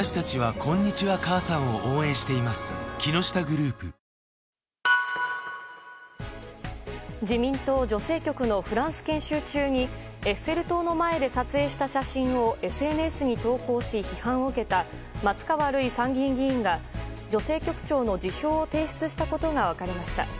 エーザイは今後厚労省の薬価を決める議論などを経て早ければ年内にも自民党女性局のフランス研修中にエッフェル塔の前で撮影した写真をＳＮＳに投稿し、批判を受けた松川るい参議院議員が女性局長の辞表を提出したことが分かりました。